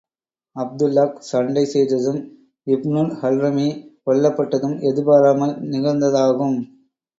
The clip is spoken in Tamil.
அப்துல்லாஹ் சண்டை செய்ததும், இப்னுல் ஹல்ரமி கொல்லப்பட்டதும் எதிர்பாராமல் நிகழ்ந்ததாகும்.